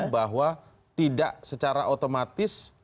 bahwa tidak secara otomatis